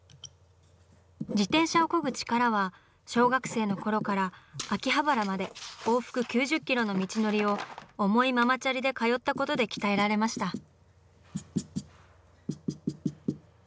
自転車をこぐ力は小学生の頃から秋葉原まで往復９０キロの道のりを重いママチャリで通ったことで鍛えられました。